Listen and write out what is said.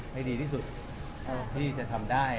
ให้ดีที่สุดที่จะทำได้